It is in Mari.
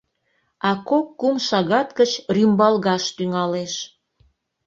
А кок-кум шагат гыч рӱмбалгаш тӱҥалеш.